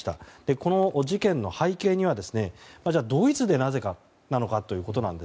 この事件の背景にはなぜドイツでなのかと。